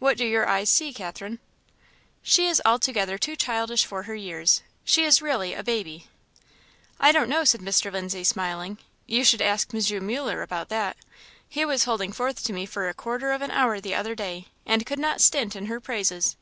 "What do your eyes see, Catherine?" "She is altogether too childish for her years; she is really a baby." "I don't know," said Mr. Lindsay, smiling: "you should ask M. Muller about that. He was holding forth to me for a quarter of an hour the other day, and could not stint in her praises.